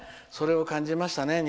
それを感じましたね